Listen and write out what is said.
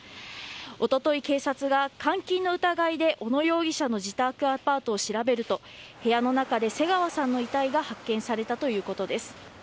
一昨日、警察が監禁の疑いで小野容疑者の自宅アパートを調べると部屋の中で瀬川さんの遺体が発見されたということです。